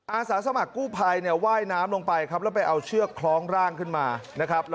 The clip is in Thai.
อาสาสมัครกู้ภัยเนี่ยว่ายน้ำลงไปครับแล้วไปเอาเชือกคล้องร่างขึ้นมานะครับ